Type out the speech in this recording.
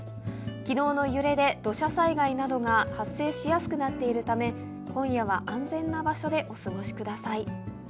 昨日の揺れで土砂災害などが発生しやすくなっているため今夜は安全な場所でお過ごしください。